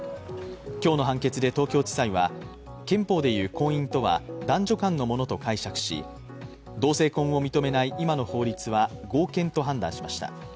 今日の判決で東京地裁は、憲法でいう婚姻とは、男女間のものと解釈し、同性婚を認めない今の法律は合憲と判断しました。